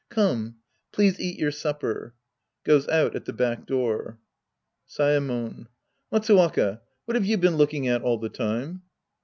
Come, please eat your supper. (J^oes out at the back door.) Saemon. Matsuwaka, what have you been looking at all the time